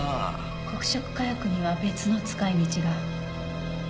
黒色火薬には別の使い道が。